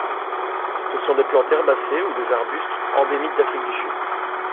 Ce sont des plantes herbacées ou des arbustes, endémiques d'Afrique du Sud.